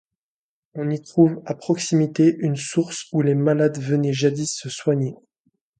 On y trouve à proximité une source où les malades venaient jadis se soigner.